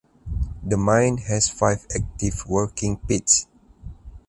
The mine has five active working pits.